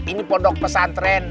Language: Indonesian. ini podok pesantren